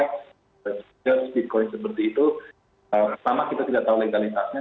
kemudian bitcoin seperti itu pertama kita tidak tahu legalitasnya